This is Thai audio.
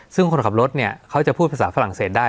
ซึ่งคนขับรถเนี่ยเขาจะพูดภาษาฝรั่งเศสได้